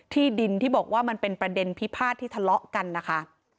ที่ดินที่บอกว่ามันเป็นประเด็นพิพาทที่ทะเลาะกันนะคะ